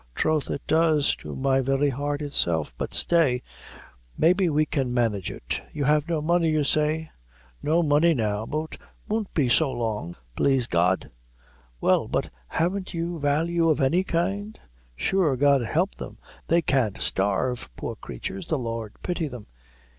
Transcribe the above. Troth it does, to my very heart itself; but stay, maybe we may manage it. You have no money, you say?" "No money now, but won't be so long, plaise God." "Well, but haven't you value of any kind? : sure, God help them, they can't starve, poor cratures the Lord pity them!"